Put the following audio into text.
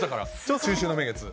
中秋の名月。